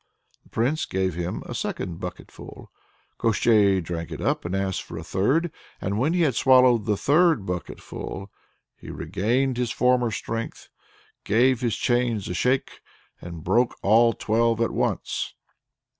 The Prince gave him a second bucketful. Koshchei drank it up and asked for a third, and when he had swallowed the third bucketful, he regained his former strength, gave his chains a shake, and broke all twelve at once.